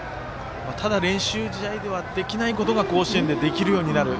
ただ練習試合ではできないことが甲子園でできるようになる。